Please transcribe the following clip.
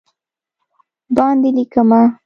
باندې لېکمه